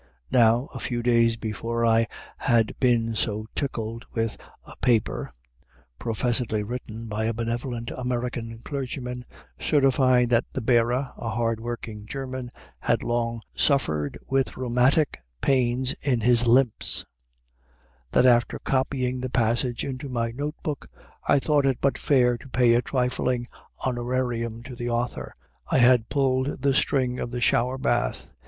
Now, a few days before I had been so tickled with a paper (professedly written by a benevolent American clergyman) certifying that the bearer, a hard working German, had long "sofered with rheumatic paints in his limps," that, after copying the passage into my note book, I thought it but fair to pay a trifling honorarium to the author. I had pulled the string of the shower bath!